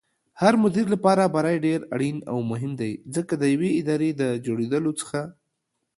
هرمدير لپاره بری ډېر اړين او مهم دی ځکه ديوې ادارې دجوړېدلو څخه